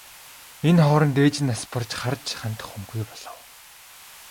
Энэ хооронд ээж нь нас барж харж хандах хүнгүй болов.